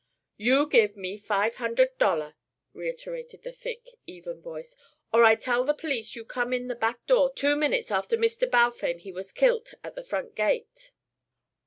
"You give me five hundert dollar," reiterated the thick even voice, "or I tell the police you come in the back door two minutes after Mr. Balfame he was kilt at the front gate."